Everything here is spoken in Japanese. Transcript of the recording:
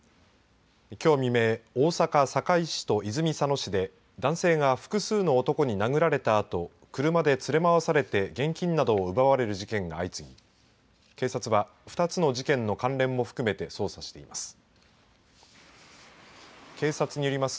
きょう未明、大阪堺市と泉佐野市で男性が複数の男に殴られたあと車で連れ回されて現金などを奪われる事件が相次ぎ警察は２つの事件の関連も含めて捜査しています。